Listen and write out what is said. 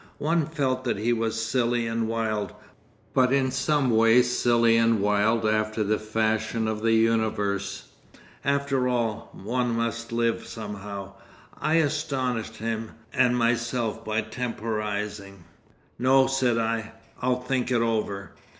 One felt that he was silly and wild, but in some way silly and wild after the fashion of the universe. After all, one must live somehow. I astonished him and myself by temporising. "No," said I, "I'll think it over!"